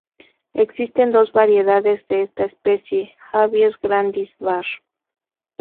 Existen dos variedades de esta especie: "Abies grandis var.